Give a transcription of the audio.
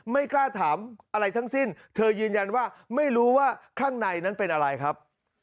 ไม่กล้าถามอะไรทั้งสิ้นเธอยืนยันว่าไม่รู้ว่าข้างในนั้นเป็นอะไรครับ